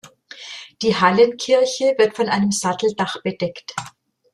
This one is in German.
Die Hallenkirche wird von einem Satteldach bedeckt.